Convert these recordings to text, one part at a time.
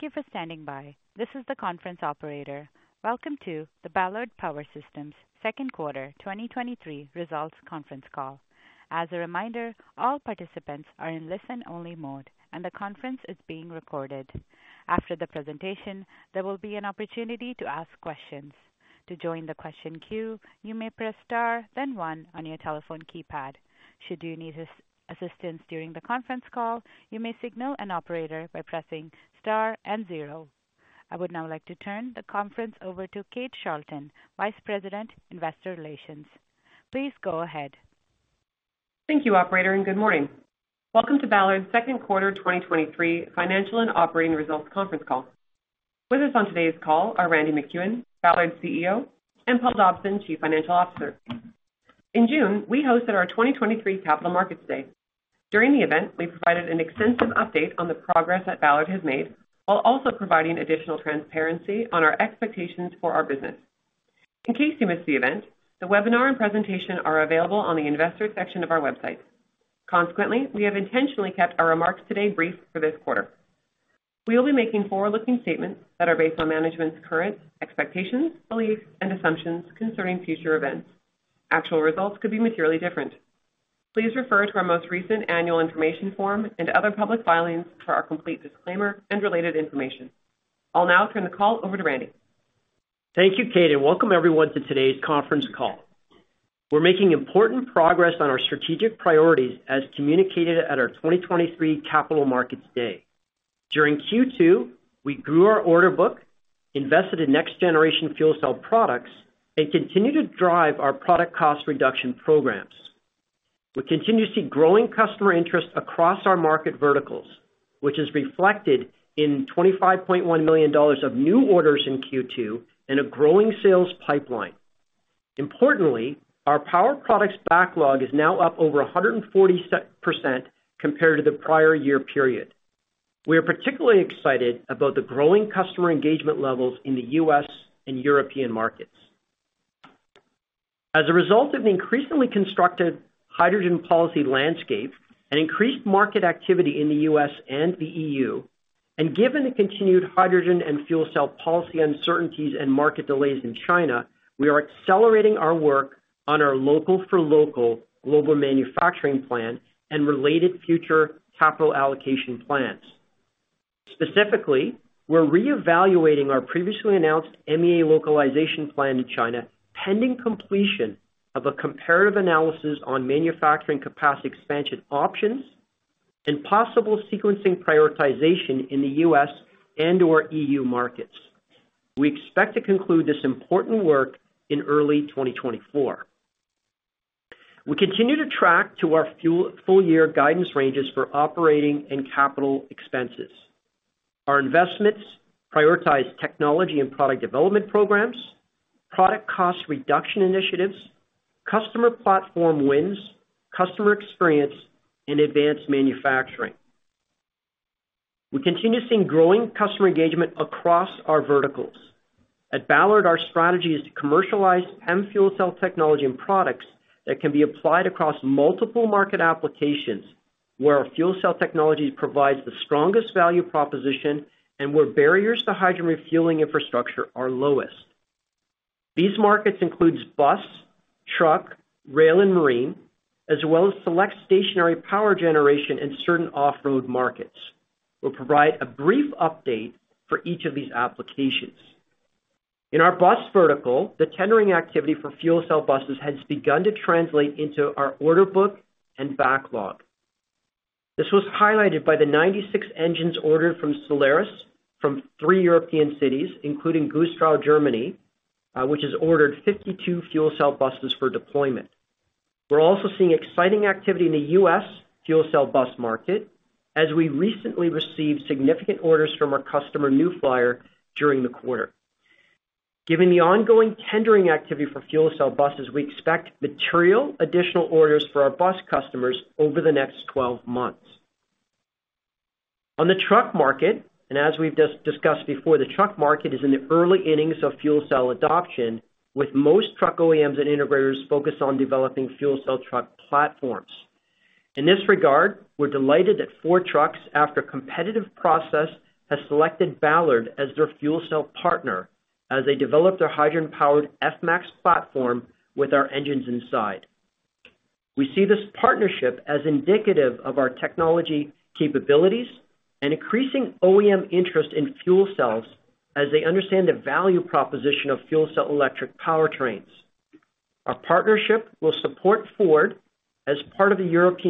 Thank you for standing by. This is the conference operator. Welcome to the Ballard Power Systems second quarter 2023 results conference call. As a reminder, all participants are in listen-only mode, and the conference is being recorded. After the presentation, there will be an opportunity to ask questions. To join the question queue, you may press star, then one on your telephone keypad. Should you need assistance during the conference call, you may signal an operator by pressing star and zero. I would now like to turn the conference over to Kate Charlton, Vice President, Investor Relations. Please go ahead. Thank you, operator. Good morning. Welcome to Ballard's second quarter 2023 financial and operating results conference call. With us on today's call are Randy MacEwen, Ballard's CEO, and Paul Dobson, Chief Financial Officer. In June, we hosted our 2023 Capital Markets Day. During the event, we provided an extensive update on the progress that Ballard has made, while also providing additional transparency on our expectations for our business. In case you missed the event, the webinar and presentation are available on the investor section of our website. Consequently, we have intentionally kept our remarks today brief for this quarter. We will be making forward-looking statements that are based on management's current expectations, beliefs, and assumptions concerning future events. Actual results could be materially different. Please refer to our most recent annual information form and other public filings for our complete disclaimer and related information. I'll now turn the call over to Randy. Thank you, Kate. Welcome everyone to today's conference call. We're making important progress on our strategic priorities as communicated at our 2023 Capital Markets Day. During Q2, we grew our order book, invested in next-generation fuel cell products, and continued to drive our product cost reduction programs. We continue to see growing customer interest across our market verticals, which is reflected in $25.1 million of new orders in Q2 and a growing sales pipeline. Importantly, our power products backlog is now up over 140% compared to the prior year period. We are particularly excited about the growing customer engagement levels in the U.S. and European markets. As a result of an increasingly constructed hydrogen policy landscape and increased market activity in the U.S. and the EU. Given the continued hydrogen and fuel cell policy uncertainties and market delays in China, we are accelerating our work on our local for local global manufacturing plan and related future capital allocation plans. Specifically, we're reevaluating our previously announced MEA localization plan in China, pending completion of a comparative analysis on manufacturing capacity expansion options and possible sequencing prioritization in the U.S. and/or EU markets. We expect to conclude this important work in early 2024. We continue to track to our full year guidance ranges for operating and capital expenses. Our investments prioritize technology and product development programs, product cost reduction initiatives, customer platform wins, customer experience, and advanced manufacturing. We continue seeing growing customer engagement across our verticals. At Ballard, our strategy is to commercialize PEM fuel cell technology and products that can be applied across multiple market applications, where our fuel cell technology provides the strongest value proposition and where barriers to hydrogen refueling infrastructure are lowest. These markets includes bus, truck, rail, and marine, as well as select stationary power generation in certain off-road markets. We'll provide a brief update for each of these applications. In our bus vertical, the tendering activity for fuel cell buses has begun to translate into our order book and backlog. This was highlighted by the 96 engines ordered from Solaris from three European cities, including Güstrow, Germany, which has ordered 52 fuel cell buses for deployment. We're also seeing exciting activity in the U.S. fuel cell bus market, as we recently received significant orders from our customer, New Flyer, during the quarter. Given the ongoing tendering activity for fuel cell buses, we expect material additional orders for our bus customers over the next 12 months. On the truck market, as we've discussed before, the truck market is in the early innings of fuel cell adoption, with most truck OEMs and integrators focused on developing fuel cell truck platforms. In this regard, we're delighted that Ford Trucks, after a competitive process, has selected Ballard as their fuel cell partner as they develop their hydrogen-powered F-MAX platform with our engines inside. We see this partnership as indicative of our technology capabilities and increasing OEM interest in fuel cells as they understand the value proposition of fuel cell electric powertrains. Our partnership will support Ford as part of the Europe's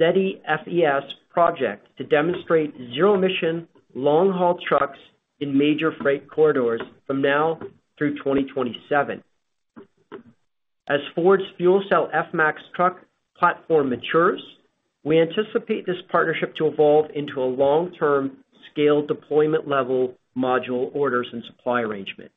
ZEFES project to demonstrate zero-emission long-haul trucks in major freight corridors from now through 2027. As Ford's fuel cell F-MAX truck platform matures, we anticipate this partnership to evolve into a long-term scale deployment level module orders and supply arrangement.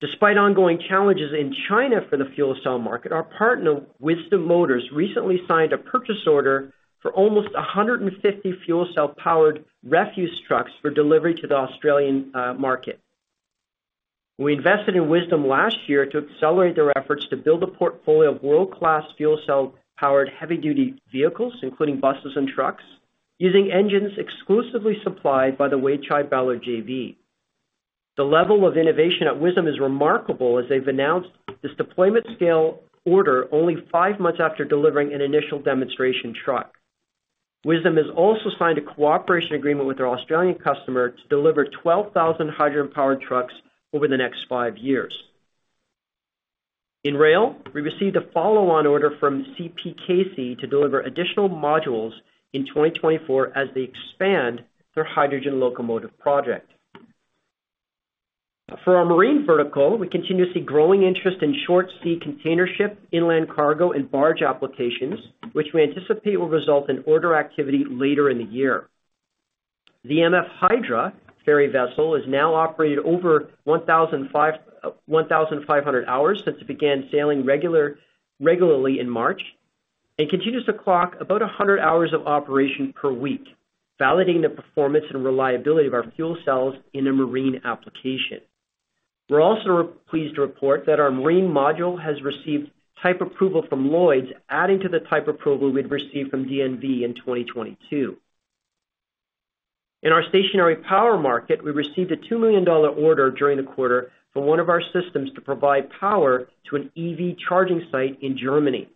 Despite ongoing challenges in China for the fuel cell market, our partner, Wisdom Motors, recently signed a purchase order for almost 150 fuel cell-powered refuse trucks for delivery to the Australian market. We invested in Wisdom last year to accelerate their efforts to build a portfolio of world-class fuel cell powered heavy duty vehicles, including buses and trucks, using engines exclusively supplied by the Weichai Ballard JV. The level of innovation at Wisdom is remarkable, as they've announced this deployment scale order only 5 months after delivering an initial demonstration truck. Wisdom has also signed a cooperation agreement with their Australian customer to deliver 12,000 hydrogen powered trucks over the next 5 years. In rail, we received a follow-on order from CPKC to deliver additional modules in 2024 as they expand their hydrogen locomotive project. For our marine vertical, we continue to see growing interest in short sea container ship, inland cargo, and barge applications, which we anticipate will result in order activity later in the year. The MF Hydra ferry vessel has now operated over 1,500 hours since it began sailing regularly in March, and continues to clock about 100 hours of operation per week, validating the performance and reliability of our fuel cells in a marine application. We're also pleased to report that our marine module has received type approval from Lloyds, adding to the type approval we'd received from DNV in 2022. In our stationary power market, we received a $2 million order during the quarter for one of our systems to provide power to an EV charging site in Germany.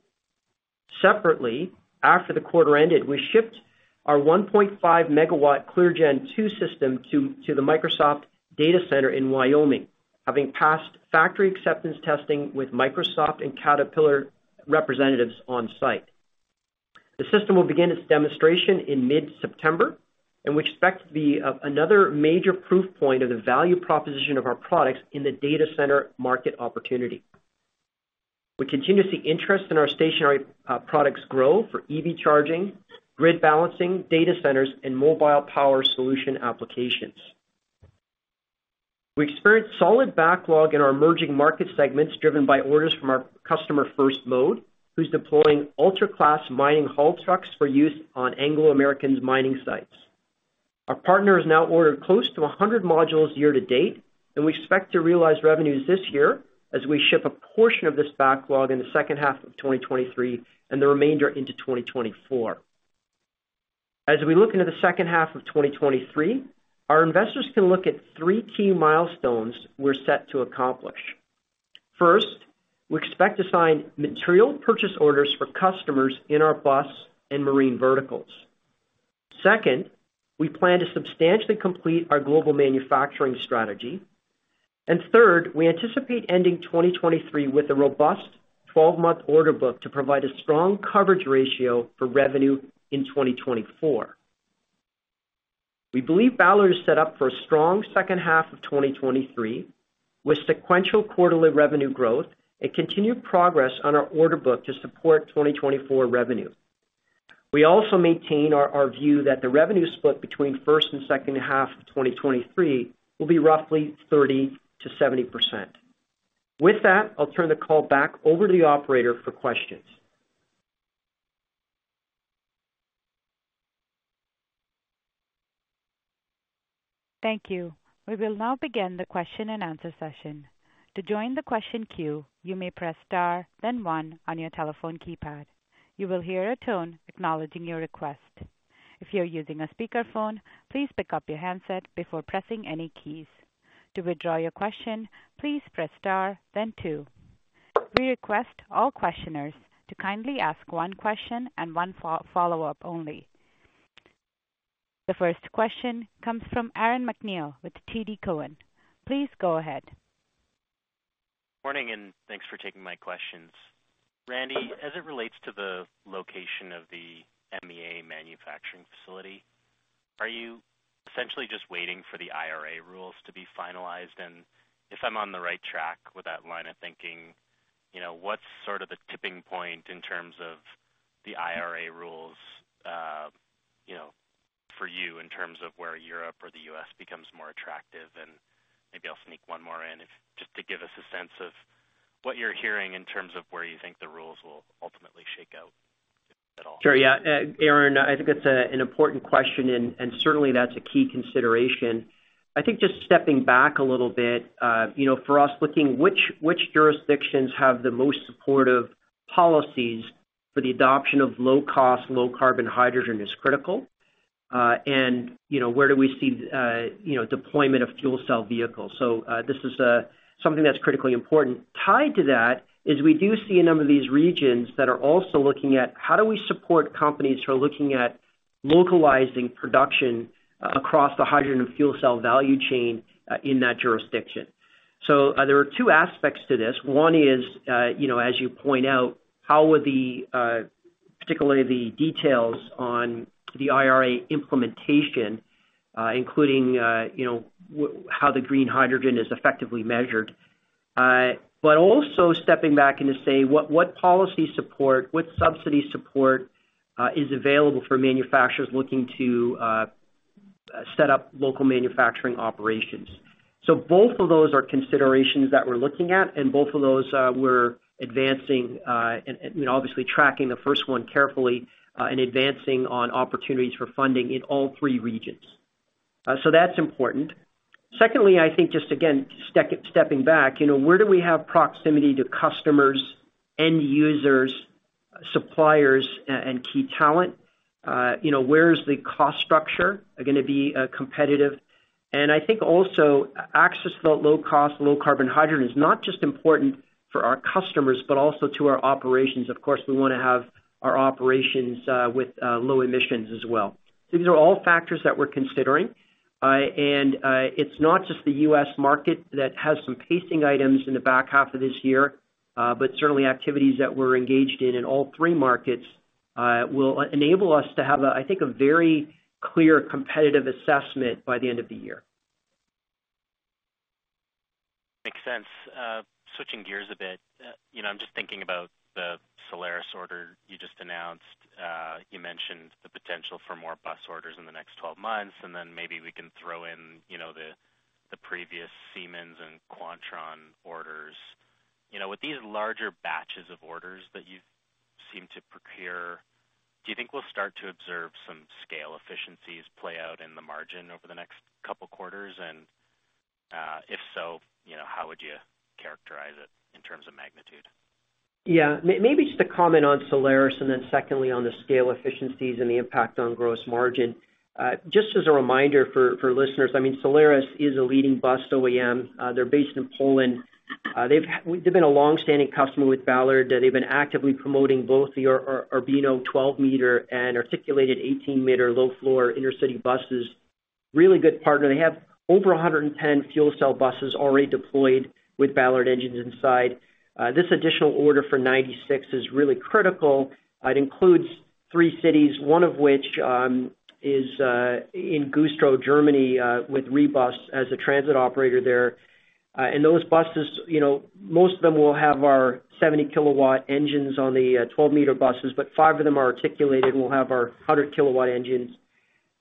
Separately, after the quarter ended, we shipped our 1.5 MW ClearGen-II system to the Microsoft data center in Wyoming, having passed factory acceptance testing with Microsoft and Caterpillar representatives on site. The system will begin its demonstration in mid-September, and we expect to be of another major proof point of the value proposition of our products in the data center market opportunity. We continue to see interest in our stationary products grow for EV charging, grid balancing, data centers, and mobile power solution applications. We experienced solid backlog in our emerging market segments, driven by orders from our customer First Mode, who's deploying ultra-class mining haul trucks for use on Anglo American's mining sites. Our partner has now ordered close to 100 modules year-to-date, and we expect to realize revenues this year as we ship a portion of this backlog in the second half of 2023, and the remainder into 2024. As we look into the second half of 2023, our investors can look at three key milestones we're set to accomplish. First, we expect to sign material purchase orders for customers in our bus and marine verticals. Second, we plan to substantially complete our global manufacturing strategy. Third, we anticipate ending 2023 with a robust 12-month order book to provide a strong coverage ratio for revenue in 2024. We believe Ballard is set up for a strong second half of 2023, with sequential quarterly revenue growth and continued progress on our order book to support 2024 revenue. We also maintain our view that the revenue split between first and second half of 2023 will be roughly 30%-70%. With that, I'll turn the call back over to the operator for questions. Thank you. We will now begin the question-and-answer session. To join the question queue, you may press star, then one on your telephone keypad. You will hear a tone acknowledging your request. If you're using a speakerphone, please pick up your handset before pressing any keys. To withdraw your question, please press star then two. We request all questioners to kindly ask one question and one follow-up only. The first question comes from Aaron MacNeil with TD Cowen. Please go ahead. Morning, and thanks for taking my questions. Randy, as it relates to the location of the MEA manufacturing facility, are you essentially just waiting for the IRA rules to be finalized? If I'm on the right track with that line of thinking, you know, what's sort of the tipping point in terms of the IRA rules, you know, for you, in terms of where Europe or the U.S. becomes more attractive? Maybe I'll sneak one more in, if just to give us a sense of what you're hearing in terms of where you think the rules will ultimately shake out at all. Sure. Yeah, Aaron, I think that's an important question, and certainly that's a key consideration. I think just stepping back a little bit, you know, for us, looking which, which jurisdictions have the most supportive policies for the adoption of low cost, low carbon hydrogen is critical. You know, where do we see, you know, deployment of fuel cell vehicles? This is something that's critically important. Tied to that, is we do see a number of these regions that are also looking at how do we support companies who are looking at localizing production across the hydrogen and fuel cell value chain in that jurisdiction. There are two aspects to this. One is, you know, as you point out, how would the particularly the details on the IRA implementation, including, you know, how the green hydrogen is effectively measured. Also stepping back and to say, what, what policy support, what subsidy support is available for manufacturers looking to set up local manufacturing operations? Both of those are considerations that we're looking at, and both of those, we're advancing, and obviously tracking the first one carefully, and advancing on opportunities for funding in all three regions. That's important. Secondly, I think just again, stepping back, you know, where do we have proximity to customers, end users, suppliers, and key talent? You know, where is the cost structure gonna be competitive? I think also, access to low cost, low carbon hydrogen is not just important for our customers, but also to our operations. Of course, we wanna have our operations with low emissions as well. These are all factors that we're considering. It's not just the U.S. market that has some pacing items in the back half of this year, but certainly activities that we're engaged in, in all three markets, will enable us to have a, I think, a very clear competitive assessment by the end of the year. Makes sense. Switching gears a bit, you know, I'm just thinking about the Solaris order you just announced. You mentioned the potential for more bus orders in the next 12 months, then maybe we can throw in, you know, the previous Siemens and Quantron orders. You know, with these larger batches of orders that you've seemed to procure, do you think we'll start to observe some scale efficiencies play out in the margin over the next couple quarters? If so, you know, how would you characterize it in terms of magnitude? Maybe just a comment on Solaris, and then secondly, on the scale efficiencies and the impact on gross margin. Just as a reminder for, for listeners, I mean, Solaris is a leading bus OEM. They're based in Poland. They've been a long-standing customer with Ballard. They've been actively promoting both the, our Urbino 12 meter and articulated 18 meter low-floor inner city buses. Really good partner. They have over 110 fuel cell buses already deployed with Ballard engines inside. This additional order for 96 is really critical. It includes 3 cities, one of which, is in Güstrow, Germany, with Rebus as a transit operator there. Those buses, you know, most of them will have our 70 kilowatt engines on the 12 meter buses, but 5 of them are articulated and will have our 100 kilowatt engines.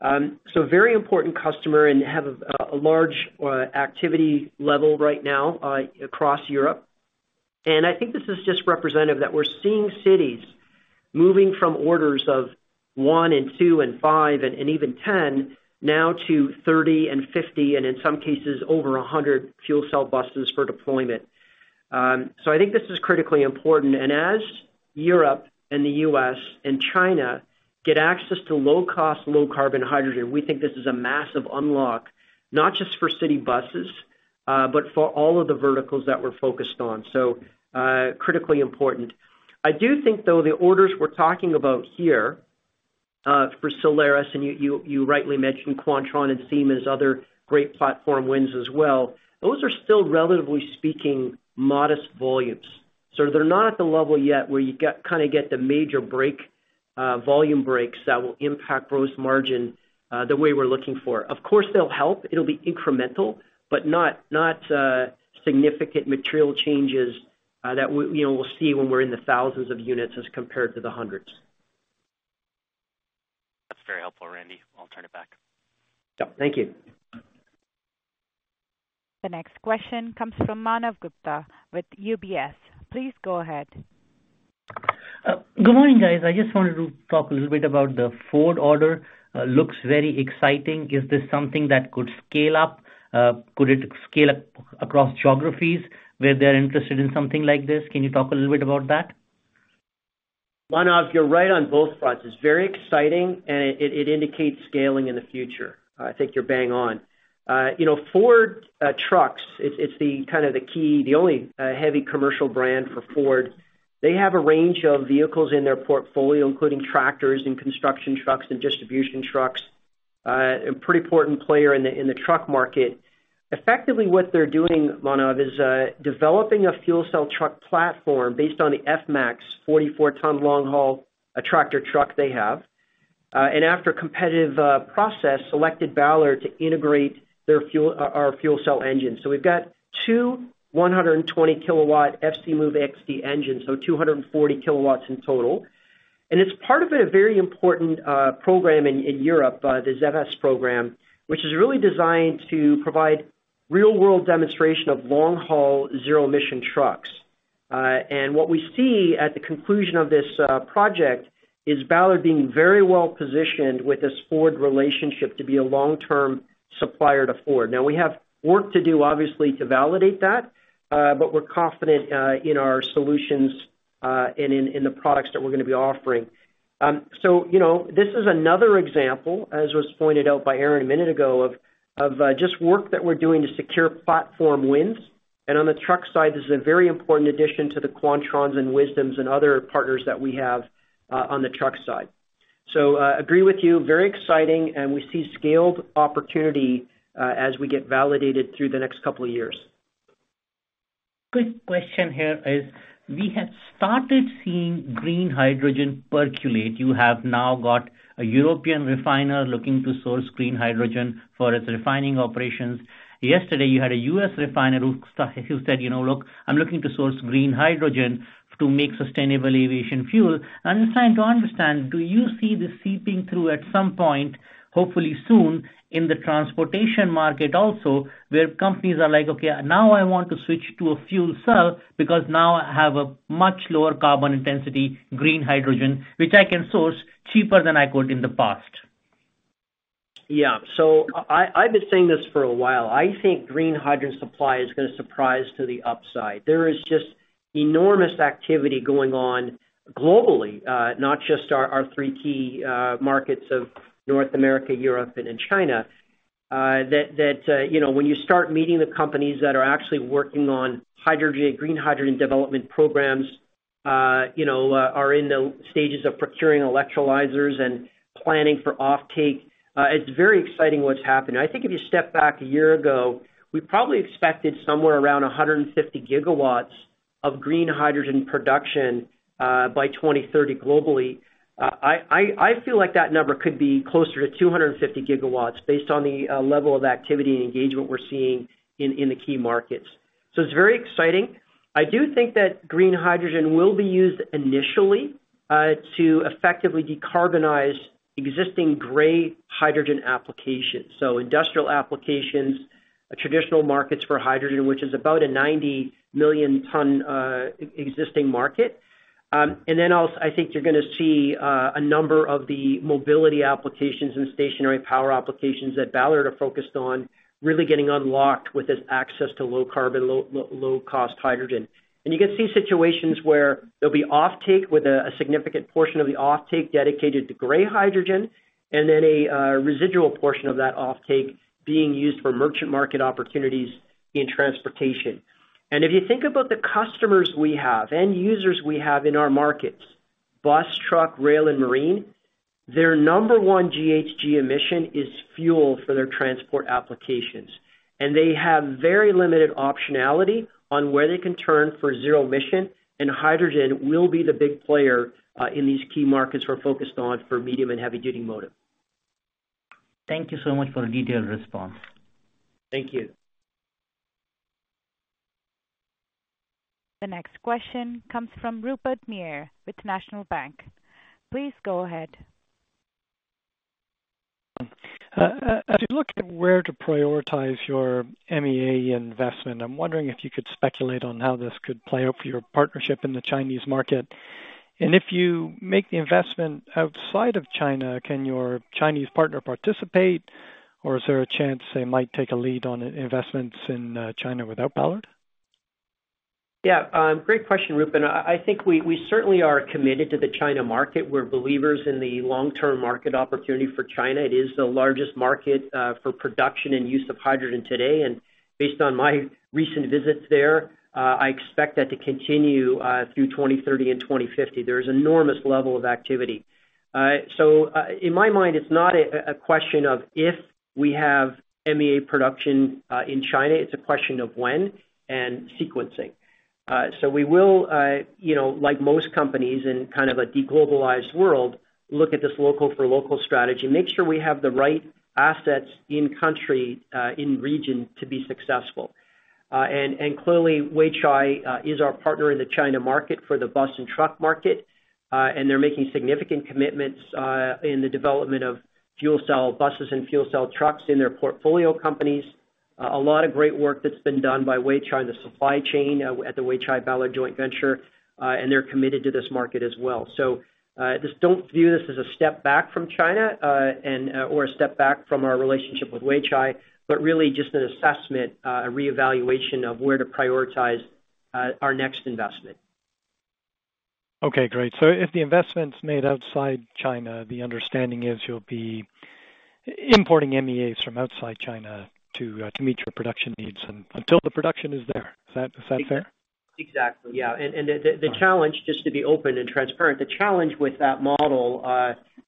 Very important customer and have a large activity level right now across Europe. I think this is just representative, that we're seeing cities moving from orders of 1 and 2 and 5, and even 10, now to 30 and 50, and in some cases, over 100 fuel cell buses for deployment. I think this is critically important. As Europe and the US and China get access to low cost, low carbon hydrogen, we think this is a massive unlock, not just for city buses, but for all of the verticals that we're focused on. Critically important. I do think, though, the orders we're talking about here, for Solaris, and you, you, you rightly mentioned Quantron and Siemens, other great platform wins as well. Those are still, relatively speaking, modest volumes. They're not at the level yet where you get the major break, volume breaks that will impact gross margin, the way we're looking for. Of course, they'll help. It'll be incremental, but not, not significant material changes, that we'll see when we're in the thousands of units as compared to the hundreds. That's very helpful, Randy. I'll turn it back. Yeah. Thank you. The next question comes from Manav Gupta with UBS. Please go ahead. Good morning, guys. I just wanted to talk a little bit about the Ford order. Looks very exciting. Is this something that could scale up? Could it scale up across geographies where they're interested in something like this? Can you talk a little bit about that? Manav, you're right on both fronts. It's very exciting, and it, it indicates scaling in the future. I think you're bang on. You know, Ford Trucks, it's, it's the, kind of the key, the only, heavy commercial brand for Ford. They have a range of vehicles in their portfolio, including tractors and construction trucks and distribution trucks. A pretty important player in the, in the truck market. Effectively, what they're doing, Manav, is developing a fuel cell truck platform based on the F-MAX 44 ton long haul, tractor truck they have. And after a competitive process, selected Ballard to integrate their fuel-- our fuel cell engine. So we've got 2 120 kW FCmove-XD engine, so 240 kW in total. It's part of a very important program in Europe, the ZEFES program, which is really designed to provide real-world demonstration of long-haul zero-emission trucks. And what we see at the conclusion of this project, is Ballard being very well positioned with this Ford relationship to be a long-term supplier to Ford. Now, we have work to do, obviously, to validate that, but we're confident in our solutions, and in, and in the products that we're gonna be offering. You know, this is another example, as was pointed out by Aaron a minute ago, of, of, just work that we're doing to secure platform wins. On the truck side, this is a very important addition to the Quantrons and Wisdoms and other partners that we have on the truck side. Agree with you, very exciting, and we see scaled opportunity as we get validated through the next couple of years. Quick question here is, we have started seeing green hydrogen percolate. You have now got a European refiner looking to source green hydrogen for its refining operations. Yesterday, you had a U.S. refiner who said, "You know, look, I'm looking to source green hydrogen to make sustainable aviation fuel." I'm trying to understand, do you see this seeping through at some point, hopefully soon, in the transportation market also, where companies are like, "Okay, now I want to switch to a fuel cell because now I have a much lower carbon intensity, green hydrogen, which I can source cheaper than I could in the past? Yeah. I, I've been saying this for a while. I think green hydrogen supply is gonna surprise to the upside. There is just enormous activity going on globally, not just our, our three key markets of North America, Europe, and in China, that, that, you know, when you start meeting the companies that are actually working on green hydrogen development programs, you know, are in the stages of procuring electrolyzers and planning for offtake, it's very exciting what's happening. I think if you step back a year ago, we probably expected somewhere around 150 gigawatts of green hydrogen production by 2030 globally. I, I, I feel like that number could be closer to 250 gigawatts based on the level of activity and engagement we're seeing in, in the key markets. It's very exciting. I do think that green hydrogen will be used initially to effectively decarbonize existing gray hydrogen applications. Industrial applications, traditional markets for hydrogen, which is about a 90 million ton existing market. Also, I think you're gonna see a number of the mobility applications and stationary power applications that Ballard are focused on, really getting unlocked with this access to low carbon, low cost hydrogen. You can see situations where there'll be offtake with a significant portion of the offtake dedicated to gray hydrogen, and then a residual portion of that offtake being used for merchant market opportunities in transportation. If you think about the customers we have, end users we have in our markets, bus, truck, rail, and marine, their number one GHG emission is fuel for their transport applications. They have very limited optionality on where they can turn for zero emission, and hydrogen will be the big player in these key markets we're focused on for medium- and heavy-duty motive. Thank you so much for the detailed response. Thank you. The next question comes from Rupert Merer with National Bank Financial. Please go ahead. As you look at where to prioritize your MEA investment, I'm wondering if you could speculate on how this could play out for your partnership in the Chinese market. If you make the investment outside of China, can your Chinese partner participate, or is there a chance they might take a lead on investments in China without Ballard? Yeah, great question, Rupert. I, I think we, we certainly are committed to the China market. We're believers in the long-term market opportunity for China. It is the largest market for production and use of hydrogen today, and based on my recent visits there, I expect that to continue through 2030 and 2050. There is enormous level of activity. In my mind, it's not a question of if we have MEA production in China, it's a question of when and sequencing. We will, you know, like most companies in kind of a deglobalized world, look at this local for local strategy, make sure we have the right assets in country, in region, to be successful. Clearly, Weichai is our partner in the China market for the bus and truck market, and they're making significant commitments in the development of fuel cell buses and fuel cell trucks in their portfolio companies. A lot of great work that's been done by Weichai in the supply chain at the Weichai-Ballard joint venture, and they're committed to this market as well. Just don't view this as a step back from China, and or a step back from our relationship with Weichai, but really just an assessment, a reevaluation of where to prioritize our next investment. Okay, great. So if the investment's made outside China, the understanding is you'll be importing MEAs from outside China to, to meet your production needs and until the production is there. Is that, is that fair? Exactly, yeah. The challenge, just to be open and transparent, the challenge with that model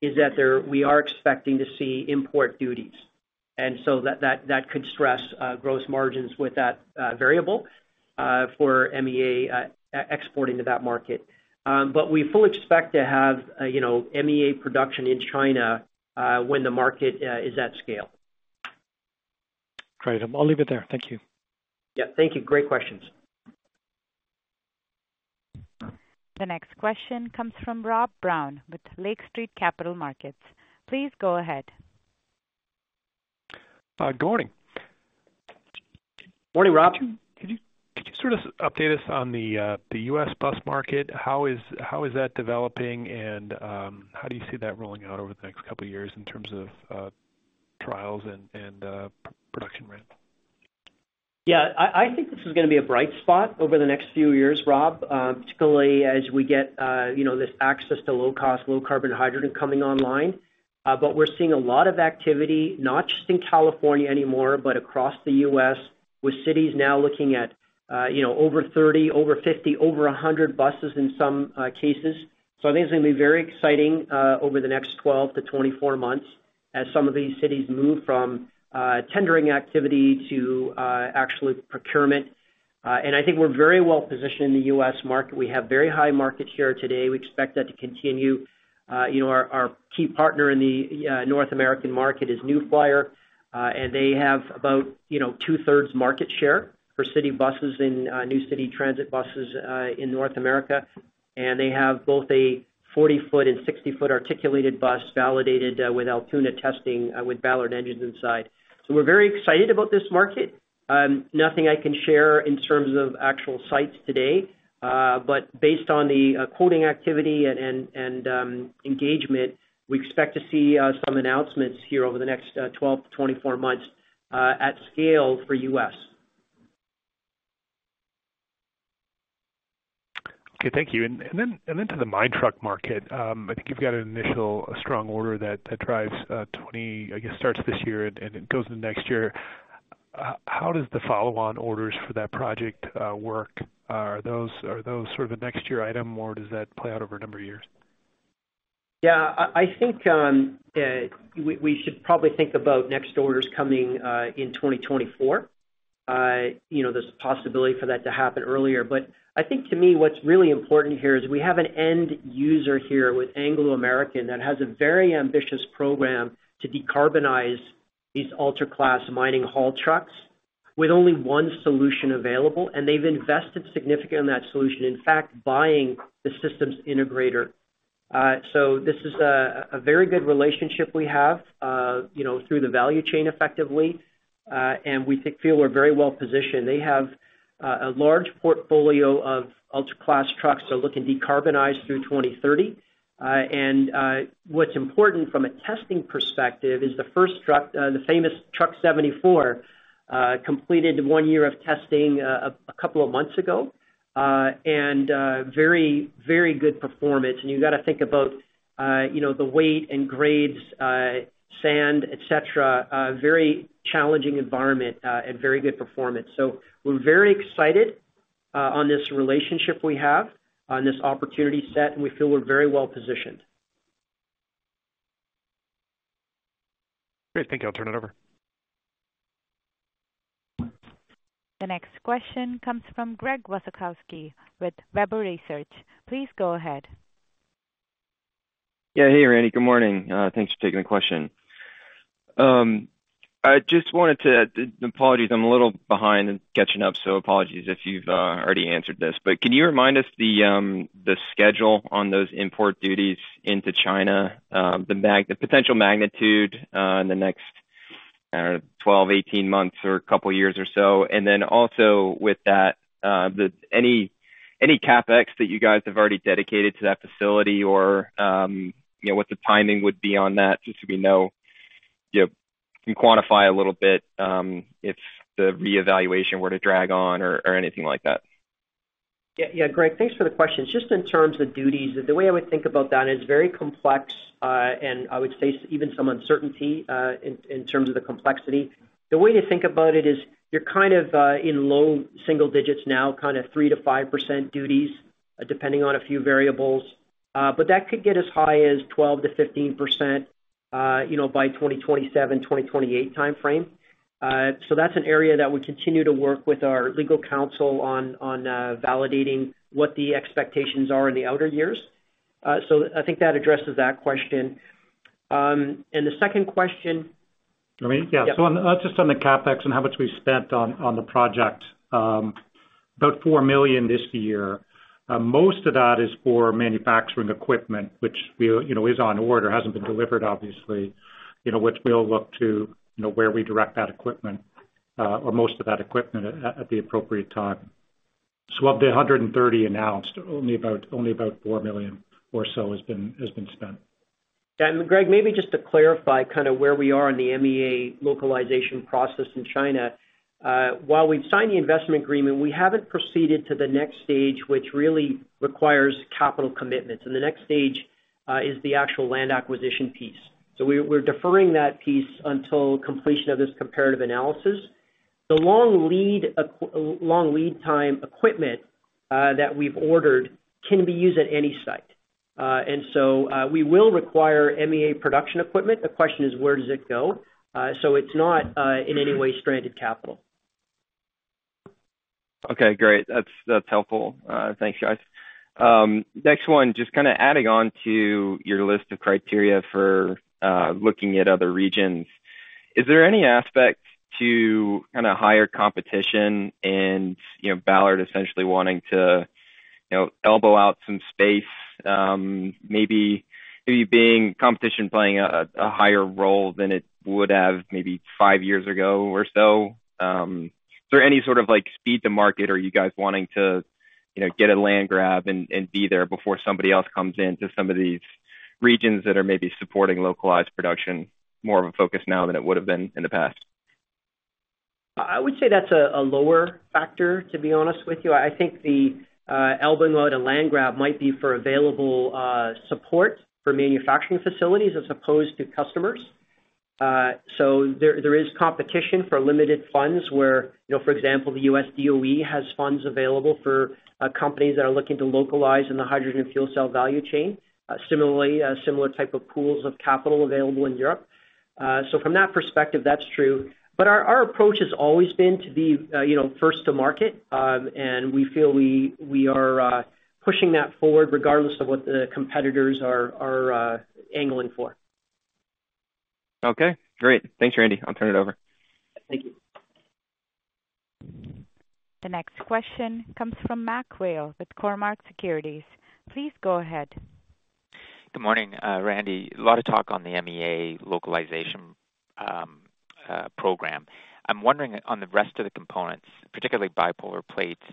is that we are expecting to see import duties, and so that could stress gross margins with that variable, for MEA exporting to that market. We fully expect to have, you know, MEA production in China, when the market is at scale. Great. I'll leave it there. Thank you. Yeah. Thank you. Great questions. The next question comes from Robert Brown with Lake Street Capital Markets. Please go ahead. Good morning. Morning, Rob. Could you sort of update us on the U.S. bus market? How is that developing, and how do you see that rolling out over the next couple of years in terms of trials and production ramps? Yeah, I, I think this is gonna be a bright spot over the next few years, Rob, particularly as we get, you know, this access to low cost, low carbon hydrogen coming online. We're seeing a lot of activity, not just in California anymore, but across the U.S., with cities now looking at, you know, over 30, over 50, over 100 buses in some cases. I think it's gonna be very exciting, over the next 12 months-24 months as some of these cities move from, tendering activity to, actual procurement. I think we're very well positioned in the U.S. market. We have very high market share today. We expect that to continue. You know, our, our key partner in the North American market is New Flyer, and they have about, you know, two-thirds market share for city buses and new city transit buses in North America. They have both a 40-foot and 60-foot articulated bus validated with Altoona testing with Ballard engines inside. We're very excited about this market. Nothing I can share in terms of actual sites today, but based on the quoting activity and engagement, we expect to see some announcements here over the next 12-24 months at scale for U.S. Okay, thank you. And then, and then to the mine truck market, I think you've got an initial strong order that, that drives 20, I guess, starts this year and it goes into next year. How does the follow-on orders for that project work? Are those are those sort of a next year item, or does that play out over a number of years? Yeah, I, I think, we, we should probably think about next orders coming in 2024. You know, there's a possibility for that to happen earlier, but I think to me, what's really important here is we have an end user here with Anglo American that has a very ambitious program to decarbonize these ultra-class mining haul trucks with only one solution available, and they've invested significantly in that solution, in fact, buying the systems integrator. This is a, a very good relationship we have, you know, through the value chain effectively, and we think feel we're very well positioned. They have a large portfolio of ultra-class trucks, so looking decarbonize through 2030. What's important from a testing perspective is the first truck, the famous Truck 74, completed 1 year of testing, a couple of months ago, and very, very good performance. You've got to think about, you know, the weight and grades, sand, et cetera, a very challenging environment, and very good performance. We're very excited on this relationship we have, on this opportunity set, and we feel we're very well positioned. Great. Thank you. I'll turn it over. The next question comes from Greg Wasikowski with Weber Research & Advisory. Please go ahead. Yeah. Hey, Randy, good morning. Thanks for taking the question. I just wanted to... apologies, I'm a little behind in catching up, so apologies if you've already answered this, but can you remind us the schedule on those import duties into China? The potential magnitude, in the next, I don't know, 12 months-18 months or 2 years or so. Then also with that, any CapEx that you guys have already dedicated to that facility or, you know, what the timing would be on that, just so we know, you can quantify a little bit, if the reevaluation were to drag on or, or anything like that. Yeah, yeah, Greg, thanks for the question. Just in terms of duties, the way I would think about that is very complex, and I would say even some uncertainty in, in terms of the complexity. The way to think about it is you're kind of in low single digits now, kind of 3%-5% duties, depending on a few variables. But that could get as high as 12%-15%, you know, by 2027, 2028 timeframe. So that's an area that we continue to work with our legal counsel on, on validating what the expectations are in the outer years. So I think that addresses that question. The second question- You want me? Yeah. Just on the CapEx and how much we've spent on, on the project. About $4 million this year. Most of that is for manufacturing equipment, which we know, you know, is on order, hasn't been delivered, obviously, you know, which we'll look to, you know, where we direct that equipment, or most of that equipment at, at the appropriate time. Of the 130 announced, only about, only about $4 million or so has been, has been spent. Greg, maybe just to clarify kind of where we are in the MEA localization process in China. While we've signed the investment agreement, we haven't proceeded to the next stage, which really requires capital commitments, and the next stage is the actual land acquisition piece. We're, we're deferring that piece until completion of this comparative analysis. The long lead long lead time equipment that we've ordered can be used at any site. And so, we will require MEA production equipment. The question is, where does it go? So it's not in any way stranded capital. Okay, great. That's, that's helpful. Thanks, guys. Next one, just kind of adding on to your list of criteria for looking at other regions. Is there any aspect to kind of higher competition and, you know, Ballard essentially wanting to, you know, elbow out some space, maybe being competition playing a higher role than it would have maybe five years ago or so? Is there any sort of like, speed to market? Are you guys wanting to, you know, get a land grab and be there before somebody else comes into some of these regions that are maybe supporting localized production, more of a focus now than it would have been in the past? I would say that's a, a lower factor, to be honest with you. I think the elbow and load and land grab might be for available support for manufacturing facilities as opposed to customers. There, there is competition for limited funds where, you know, for example, the U.S. DOE has funds available for companies that are looking to localize in the hydrogen fuel cell value chain. Similarly, a similar type of pools of capital available in Europe. From that perspective, that's true. Our, our approach has always been to be, you know, first to market, and we feel we, we are pushing that forward regardless of what the competitors are, are angling for. Okay, great. Thanks, Randy. I'll turn it over. Thank you. The next question comes from MacMurray Whale with Cormark Securities. Please go ahead. Good morning, Randy. A lot of talk on the MEA localization program. I'm wondering on the rest of the components, particularly bipolar plates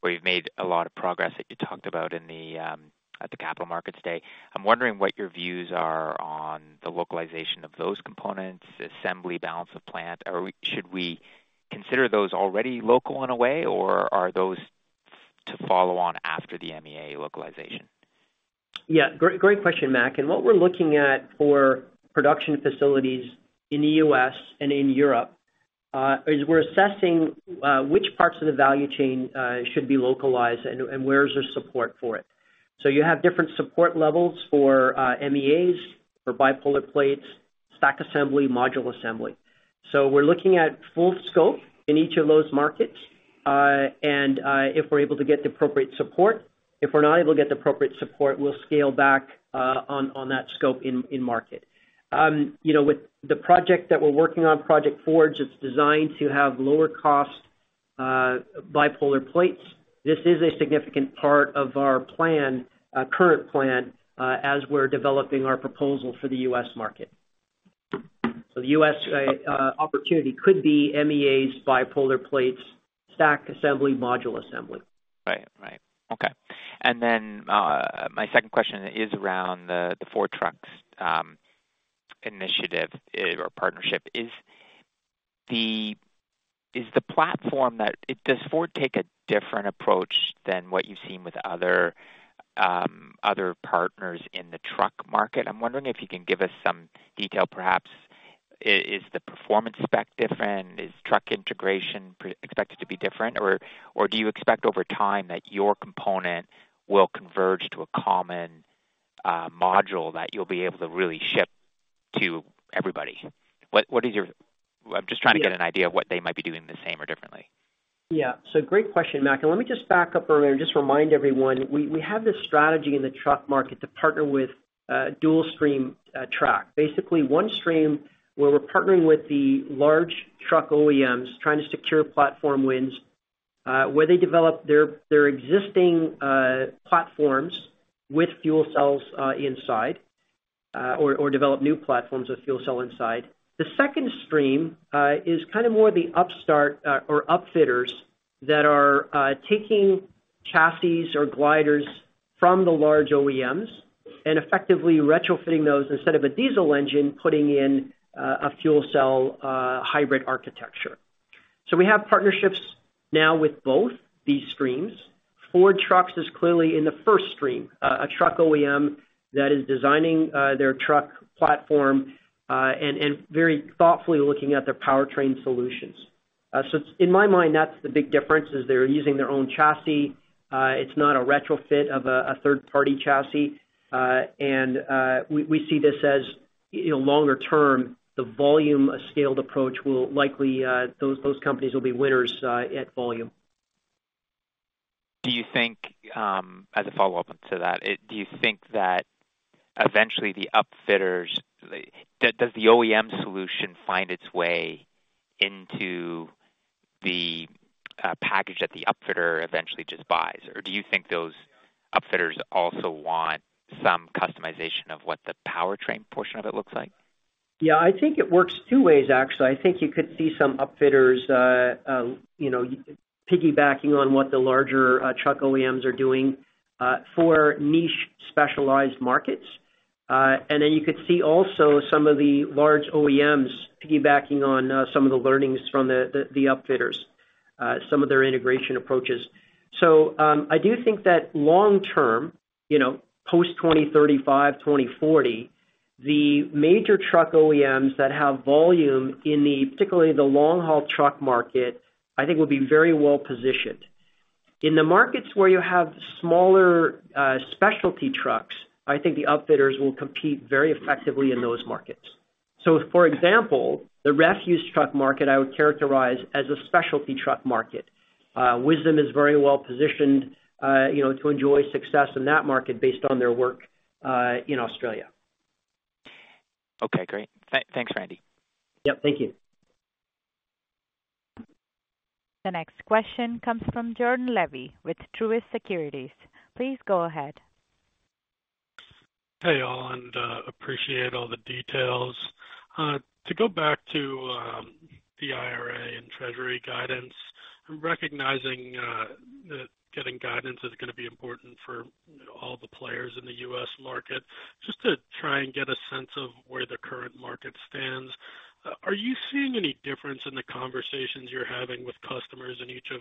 where you've made a lot of progress that you talked about in the at the Capital Markets Day. I'm wondering what your views are on the localization of those components, assembly, balance of plant. Are we should we consider those already local in a way, or are those to follow on after the MEA localization? Yeah, great, great question, Mac. What we're looking at for production facilities in the U.S. and in Europe, is we're assessing which parts of the value chain should be localized and, and where is there support for it. You have different support levels for MEAs, for bipolar plates, stack assembly, module assembly. We're looking at full scope in each of those markets, and if we're able to get the appropriate support. If we're not able to get the appropriate support, we'll scale back on, on that scope in, in market. You know, with the project that we're working on, Project Forge, it's designed to have lower cost bipolar plates. This is a significant part of our plan, current plan, as we're developing our proposal for the U.S. market. The U.S. opportunity could be MEAs, bipolar plates, stack assembly, module assembly. Right. Right. Okay. Then, my second question is around the Ford Trucks initiative or partnership. Does Ford take a different approach than what you've seen with other partners in the truck market? I'm wondering if you can give us some detail, perhaps, is the performance spec different? Is truck integration expected to be different? Do you expect over time that your component will converge to a common module that you'll be able to really ship to everybody? I'm just trying to get an idea of what they might be doing the same or differently. Yeah. Great question, Mac, and let me just back up for a minute and just remind everyone, we, we have this strategy in the truck market to partner with, dual stream, track. Basically, one stream where we're partnering with the large truck OEMs, trying to secure platform wins, where they develop their, their existing, platforms with fuel cells, inside, or, or develop new platforms with fuel cell inside. The second stream, is kind of more the upstart, or upfitters that are, taking chassis or gliders from the large OEMs and effectively retrofitting those, instead of a diesel engine, putting in, a fuel cell, hybrid architecture. We have partnerships now with both these streams. Ford Trucks is clearly in the first stream, a truck OEM that is designing their truck platform and very thoughtfully looking at their powertrain solutions. In my mind, that's the big difference, is they're using their own chassis. It's not a retrofit of a third-party chassis. We see this as, you know, longer term, the volume of scaled approach will likely those companies will be winners at volume. Do you think, as a follow-up to that, do you think that eventually the upfitters- Does the OEM solution find its way into the package that the upfitter eventually just buys? Or do you think those upfitters also want some customization of what the powertrain portion of it looks like? Yeah, I think it works two ways, actually. I think you could see some upfitters, you know, piggybacking on what the larger truck OEMs are doing for niche specialized markets. Then you could see also some of the large OEMs piggybacking on some of the learnings from the upfitters, some of their integration approaches. I do think that long-term, you know, post 2035, 2040, the major truck OEMs that have volume in the particularly the long-haul truck market, I think will be very well positioned. In the markets where you have smaller specialty trucks, I think the upfitters will compete very effectively in those markets. For example, the refuse truck market, I would characterize as a specialty truck market. Wisdom is very well positioned, you know, to enjoy success in that market based on their work, in Australia. Okay, great. Thanks, Randy. Yep, thank you. The next question comes from Jordan Levy with Truist Securities. Please go ahead. Hey, all, and appreciate all the details. To go back to the IRA and Treasury guidance, I'm recognizing that getting guidance is gonna be important for all the players in the U.S. market. Just to try and get a sense of where the current market stands, are you seeing any difference in the conversations you're having with customers in each of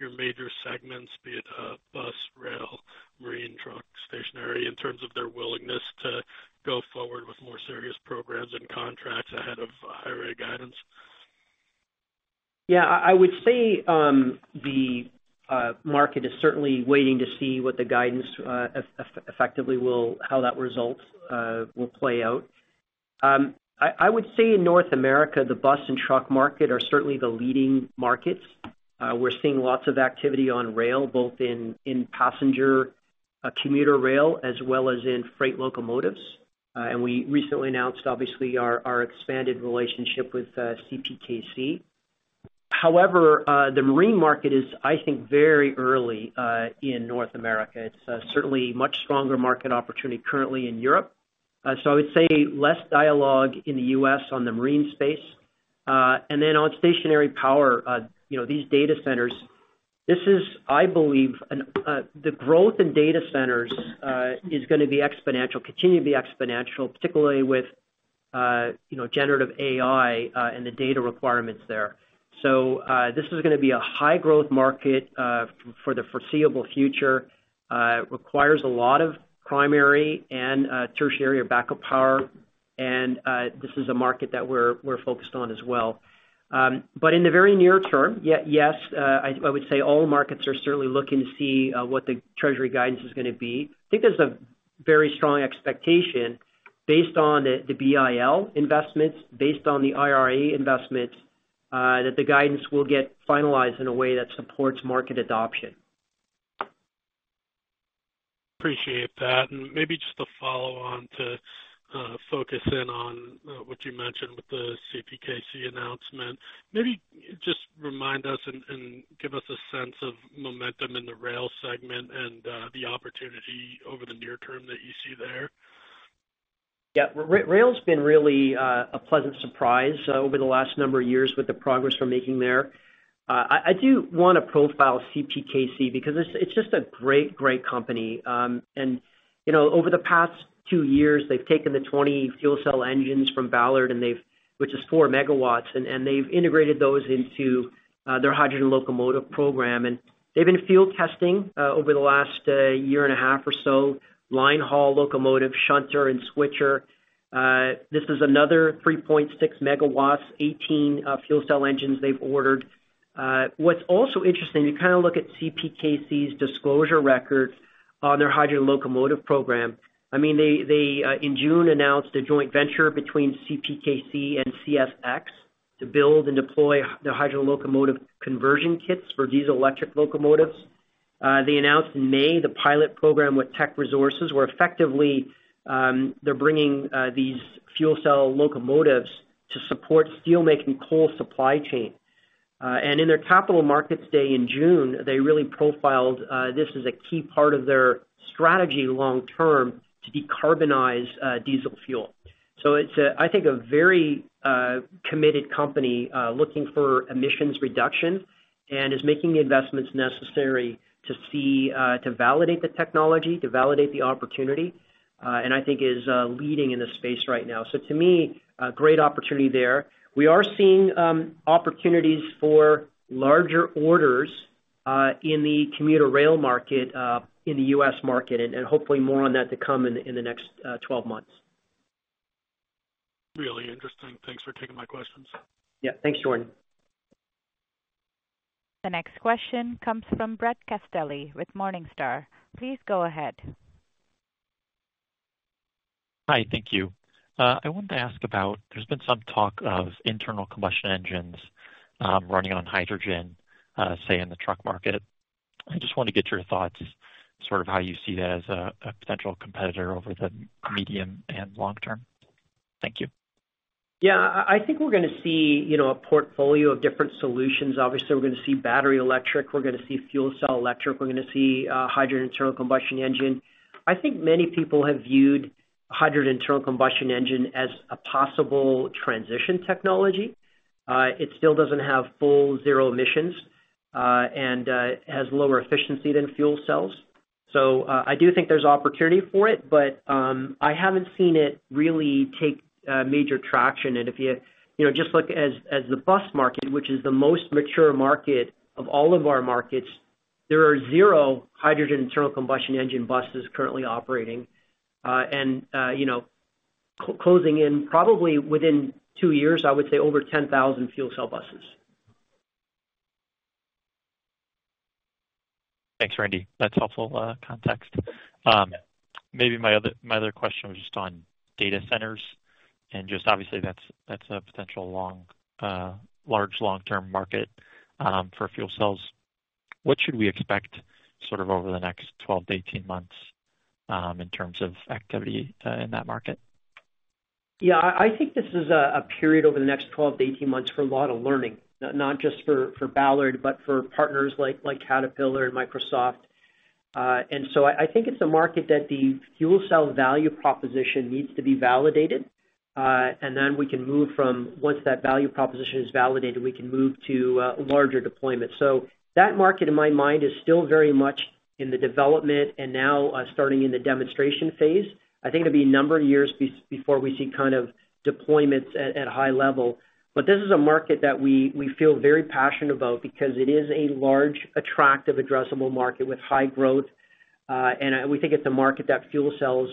your major segments, be it, bus, rail, marine, truck, stationary, in terms of their willingness to go forward with more serious programs and contracts ahead of IRA guidance? Yeah, I, I would say, the market is certainly waiting to see what the guidance effectively will how that result will play out. I, I would say in North America, the bus and truck market are certainly the leading markets. We're seeing lots of activity on rail, both in, in passenger, commuter rail, as well as in freight locomotives. We recently announced, obviously, our, our expanded relationship with CPKC. However, the marine market is, I think, very early in North America. It's certainly a much stronger market opportunity currently in Europe. I would say less dialogue in the U.S. on the marine space.... On stationary power, you know, these data centers, this is, I believe, the growth in data centers is gonna be exponential, continue to be exponential, particularly with, you know, generative AI, and the data requirements there. This is gonna be a high growth market for the foreseeable future. It requires a lot of primary and tertiary or backup power, and this is a market that we're, we're focused on as well. In the very near term, yes, I would say all markets are certainly looking to see what the treasury guidance is gonna be. I think there's a very strong expectation based on the BIL investments, based on the IRA investments, that the guidance will get finalized in a way that supports market adoption. Appreciate that. Maybe just to follow on to focus in on what you mentioned with the CPKC announcement. Maybe just remind us and give us a sense of momentum in the rail segment and the opportunity over the near term that you see there. Yeah. Rail's been really a pleasant surprise over the last number of years with the progress we're making there. I, I do wanna profile CPKC because it's, it's just a great, great company. You know, over the past two years, they've taken the 20 fuel cell engines from Ballard, which is 4 MW, and they've integrated those into their hydrogen locomotive program. They've been field testing over the last year and a half or so, line haul, locomotive, shunter, and switcher. This is another 3.6 MW, 18 fuel cell engines they've ordered. What's also interesting, you kind of look at CPKC's disclosure records on their hydrogen locomotive program. I mean, they, they, in June, announced a joint venture between CPKC and CSX to build and deploy the hydro locomotive conversion kits for diesel electric locomotives. They announced in May, the pilot program with Teck Resources, where effectively they're bringing these fuel cell locomotives to support steelmaking coal supply chain. In their Capital Markets Day in June, they really profiled this as a key part of their strategy long term to decarbonize, diesel fuel. It's a, I think, a very committed company, looking for emissions reduction and is making the investments necessary to see, to validate the technology, to validate the opportunity, and I think is leading in this space right now. To me, a great opportunity there. We are seeing, opportunities for larger orders, in the commuter rail market, in the US market, and, and hopefully more on that to come in, in the next 12 months. Really interesting. Thanks for taking my questions. Yeah. Thanks, Jordan. The next question comes from Brett Castelli with Morningstar. Please go ahead. Hi, thank you. I wanted to ask about, there's been some talk of internal combustion engines, running on hydrogen, say, in the truck market. I just wanted to get your thoughts, sort of how you see that as a potential competitor over the medium and long term. Thank you. Yeah, I, I think we're gonna see, you know, a portfolio of different solutions. Obviously, we're gonna see battery electric, we're gonna see fuel cell electric, we're gonna see hydrogen internal combustion engine. I think many people have viewed hydrogen internal combustion engine as a possible transition technology. It still doesn't have full zero emissions and has lower efficiency than fuel cells. I do think there's opportunity for it, but I haven't seen it really take major traction. If you, you know, just look as, as the bus market, which is the most mature market of all of our markets, there are zero hydrogen internal combustion engine buses currently operating. You know, closing in probably within 2 years, I would say over 10,000 fuel cell buses. Thanks, Randy. That's helpful context. Maybe my other, my other question was just on data centers and just obviously that's, that's a potential long, large, long-term market for fuel cells. What should we expect sort of over the next 12 months-18 months in terms of activity in that market? Yeah, I, I think this is a, a period over the next 12 months-18 months for a lot of learning, not, not just for, for Ballard, but for partners like, like Caterpillar and Microsoft. I think it's a market that the fuel cell value proposition needs to be validated. Once that value proposition is validated, we can move to larger deployment. That market, in my mind, is still very much in the development and now, starting in the demonstration phase. I think it'll be a number of years before we see kind of deployments at, at a high level. This is a market that we, we feel very passionate about because it is a large, attractive, addressable market with high growth, and we think it's a market that fuel cells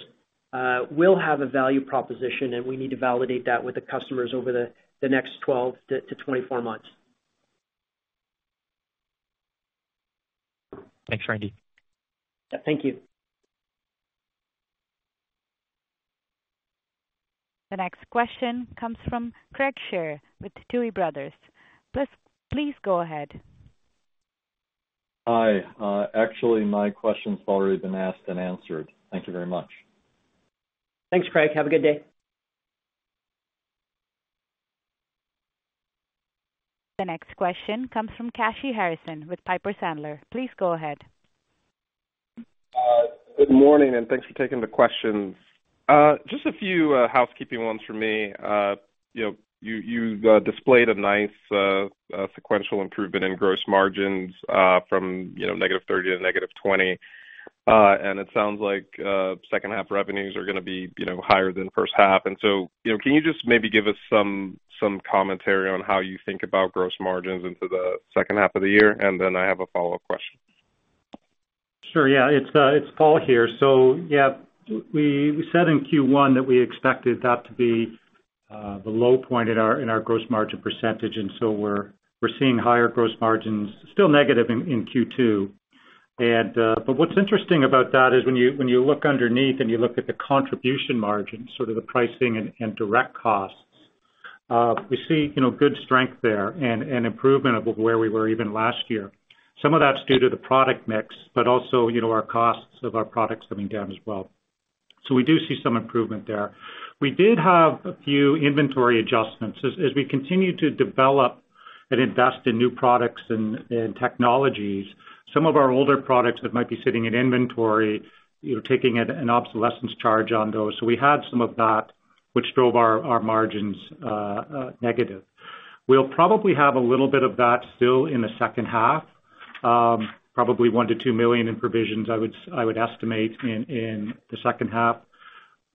will have a value proposition, and we need to validate that with the customers over the next 12 months-24 months. Thanks, Randy. Yeah, thank you. The next question comes from Craig Shere with Tuohy Brothers. Please, please go ahead. Hi. Actually, my question's already been asked and answered. Thank you very much. Thanks, Craig. Have a good day. The next question comes from Kashy Harrison with Piper Sandler. Please go ahead. Good morning, and thanks for taking the questions. Just a few housekeeping ones for me. You know, you, you, displayed a nice, sequential improvement in gross margins, from, you know, -30% to -20%. It sounds like second half revenues are gonna be, you know, higher than first half. So, you know, can you just maybe give us some commentary on how you think about gross margins into the second half of the year? Then I have a follow-up question. Sure. Yeah, it's, it's Paul here. Yeah, we, we said in Q1 that we expected that to be the low point in our, in our gross margin percentage, and so we're, we're seeing higher gross margins, still negative in, in Q2. But what's interesting about that is when you, when you look underneath and you look at the contribution margin, sort of the pricing and, and direct costs, we see, you know, good strength there and, and improvement of where we were even last year. Some of that's due to the product mix, but also, you know, our costs of our products coming down as well. We do see some improvement there. We did have a few inventory adjustments. As we continue to develop and invest in new products and technologies, some of our older products that might be sitting in inventory, you know, taking an obsolescence charge on those. We had some of that, which drove our margins, negative. We'll probably have a little bit of that still in the second half, probably $1 million-$2 million in provisions, I would estimate in the second half.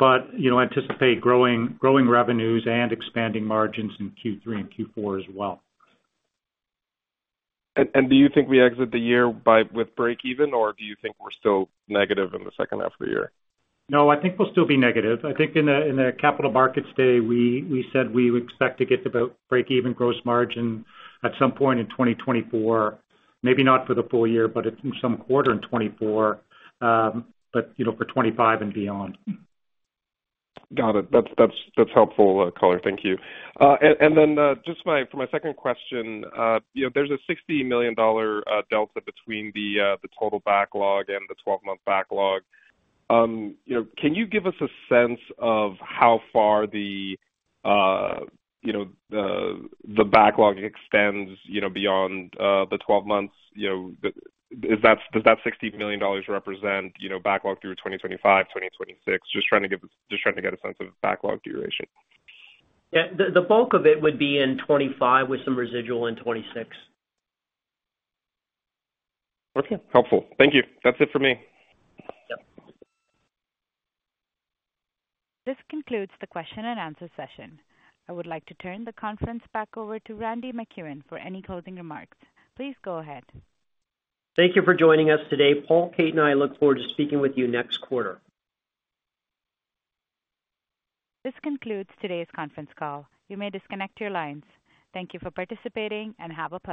You know, anticipate growing, growing revenues and expanding margins in Q3 and Q4 as well. Do you think we exit the year by, with breakeven, or do you think we're still negative in the second half of the year? No, I think we'll still be negative. I think in the, in the Capital Markets Day, we, we said we expect to get about breakeven gross margin at some point in 2024. Maybe not for the full year, but in some quarter in 2024, but, you know, for 2025 and beyond. Got it. That's, that's, that's helpful color. Thank you. And then, just my... for my second question, you know, there's a $60 million delta between the total backlog and the 12-month backlog. You know, can you give us a sense of how far the, you know, the backlog extends, you know, beyond the 12 months? You know, is that, does that $60 million represent, you know, backlog through 2025, 2026? Just trying to get a sense of backlog duration. Yeah. The bulk of it would be in 2025, with some residual in 2026. Okay, helpful. Thank you. That's it for me. Yep. This concludes the question and answer session. I would like to turn the conference back over to Randy MacEwen for any closing remarks. Please go ahead. Thank you for joining us today. Paul, Kate, and I look forward to speaking with you next quarter. This concludes today's conference call. You may disconnect your lines. Thank you for participating, and have a blessed day.